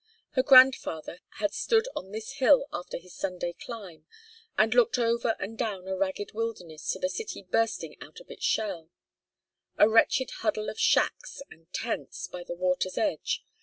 Her grandfather had stood on this hill after his Sunday climb and looked over and down a ragged wilderness to the city bursting out of its shell a wretched huddle of shacks and tents by the water's edge.